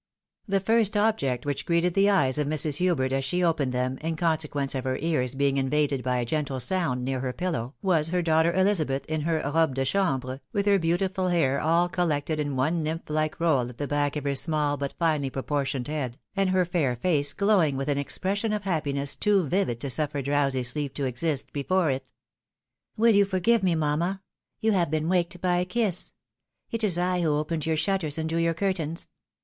The first object which greeted the eyes of Mrs. Hubert as she opened them, in consequence of her ears being invaded by a gentle sound near her pillow, was her daughter Elizabeth in her robe de chamhre, with her beautiful hair all collected in one nymph hke roU at the back of her smaH but finely proportioned head, and her fair face glowing with an expression of happiness too vivid to suffer drowsy sleep to exist before it. " Will you forgive me, mamma ? You have been waked by a kiss. It is I who opened your shutters and drew your curtains."